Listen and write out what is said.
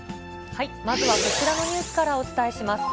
まずはこちらのニュースからお伝えします。